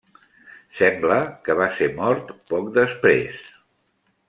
Sembla que va ser mort poc després.